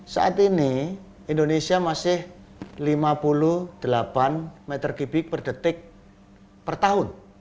saat ini indonesia masih lima puluh delapan meter kubik per detik per tahun